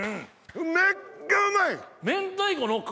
めっちゃうまい！